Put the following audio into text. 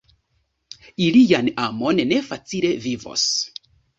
Ilian amon ne facile vivos.